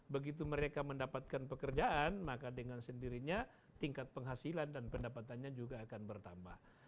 begitu mereka mendapatkan pekerjaan maka dengan sendirinya tingkat penghasilan dan pendapatannya juga akan bertambah